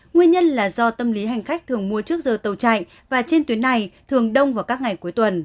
nguyên nhân là do tâm lý hành khách thường mua trước giờ tàu chạy và trên tuyến này thường đông vào các ngày cuối tuần